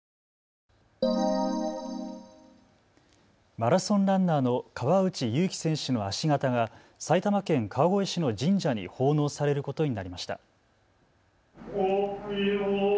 マラソンランナーの川内優輝選手の足形が埼玉県川越市の神社に奉納されることになりました。